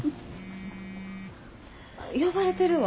呼ばれてるわ。